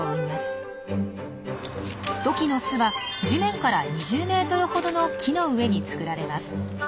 トキの巣は地面から２０ｍほどの木の上に作られます。